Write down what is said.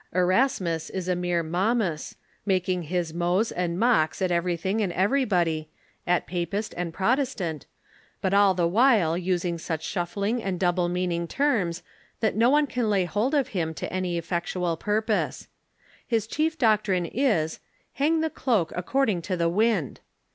Eras mus is a mere Momus, making his mows and mocks at every thing and everybody, at Papist and Protestant, but all the while using such shufHing and double meaning terms that no one can lay hold of him to any effectual purpose. His chief doctrine is, Hang the cloak according to the wind.